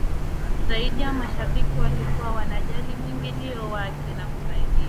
zaidi ya mashabiki walikuwa wanajali mwingilio wake na kusaidia